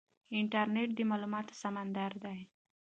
انټرنیټ د معلوماتو سمندر دی.